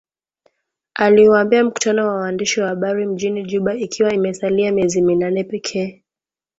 Aliuambia mkutano wa waandishi wa habari mjini Juba ikiwa imesalia miezi minane pekee.